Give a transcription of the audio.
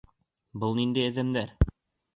Был ниндәй әҙәмдәр?